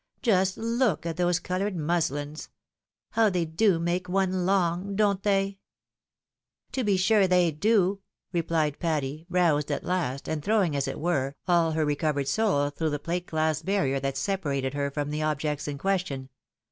Just look at those coloured musUns ! How they do make one long ! Don't they ?"" To be sure they do," replied Patty, roused at last, and throwing, as it were, all her recovered soul through the plate glass barrier that separated her from the objects in question.